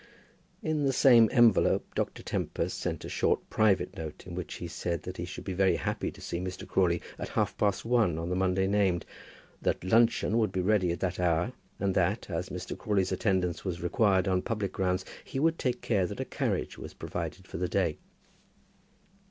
In the same envelope Dr. Tempest sent a short private note, in which he said that he should be very happy to see Mr. Crawley at half past one on the Monday named, that luncheon would be ready at that hour, and that, as Mr. Crawley's attendance was required on public grounds, he would take care that a carriage was provided for the day.